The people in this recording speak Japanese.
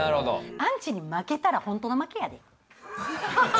アンチに負けたら本当の負けやで。